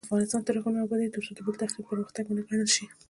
افغانستان تر هغو نه ابادیږي، ترڅو د بل تخریب پرمختګ ونه ګڼل شي.